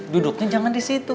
duduknya jangan di situ